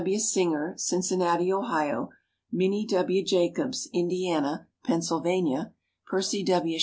W. Singer, Cincinnati, Ohio; Minnie W. Jacobs, Indiana, Pennsylvania; Percy W.